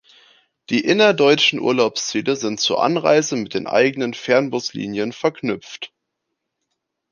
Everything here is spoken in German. Die innerdeutschen Urlaubsziele sind zur Anreise mit den eigenen Fernbuslinien verknüpft.